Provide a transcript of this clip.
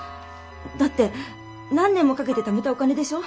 だって何年もかけてためたお金でしょ？